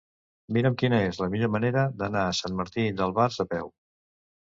Mira'm quina és la millor manera d'anar a Sant Martí d'Albars a peu.